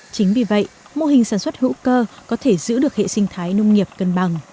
chính vì vậy mô hình sản xuất hữu cơ có thể giữ được hệ sinh thái nông nghiệp cân bằng